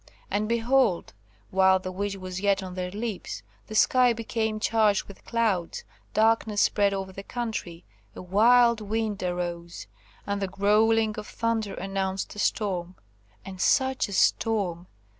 And behold, while the wish was yet on their lips, the sky became charged with clouds, darkness spread over the country, a wild wind arose, and the growling of thunder announced a storm. And such a storm!